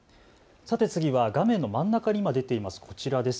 さて次は画面の真ん中に今、出ていますこちらです。